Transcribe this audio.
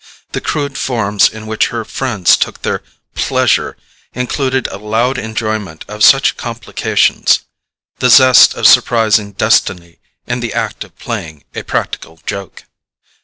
The crude forms in which her friends took their pleasure included a loud enjoyment of such complications: the zest of surprising destiny in the act of playing a practical joke.